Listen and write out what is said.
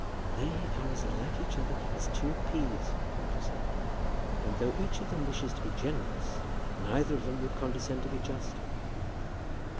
"They are as like each other as two peas," she said, "and though each of them wished to be generous, neither of them would condescend to be just."